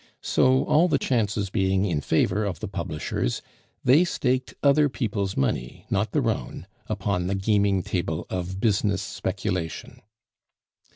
So, all the chances being in favor of the publishers, they staked other people's money, not their own upon the gaming table of business speculation.